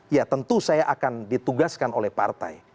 ya tentu saya akan ditugaskan oleh partai